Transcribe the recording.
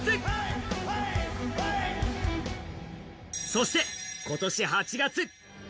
そして、今年８月。